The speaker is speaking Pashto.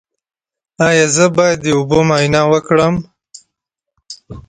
ایا زه باید د اوبو معاینه وکړم؟